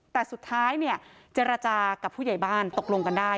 แต่สุดท้ายเนี่ยเจรจากับผู้ใหญ่บ้านตกลงกันได้